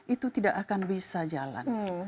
itu tidak akan bisa jalan